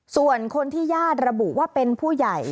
ส่วนคนที่ญาติระบุว่าเป็นผู้ใหญ่